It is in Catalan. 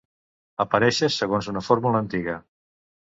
Apareixes segons una fórmula antiga.